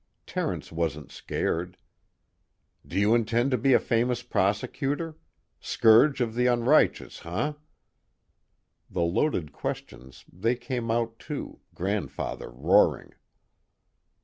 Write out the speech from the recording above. Terence wasn't scared. "Do you intend to be a famous prosecutor? Scourge of the unrighteous, huh?" The loaded questions they came out too, Grandfather roaring.